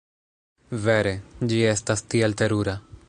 Vere. Ĝi estas tiel terura.